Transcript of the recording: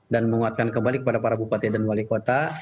dan menguatkan kembali kepada para bupati dan wali kota